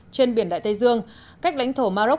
trên biển đại tây dương cách lãnh thổ maroc